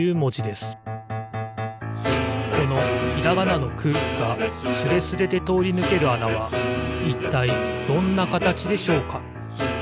このひらがなの「く」がスレスレでとおりぬけるあなはいったいどんなかたちでしょうか？